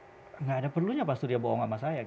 tidak ada perlunya pak surya bohong sama saya